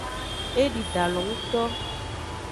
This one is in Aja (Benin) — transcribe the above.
Edi dalo ngto.